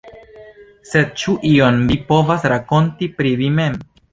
Sed ĉu ion vi povas rakonti pri vi mem?